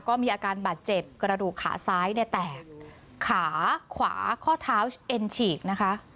ก็มีอาการบาดเจ็บกระดูกขาซ้ายเนี่ยแตกขาขวาข้อเท้าเอ็นฉีกนะคะ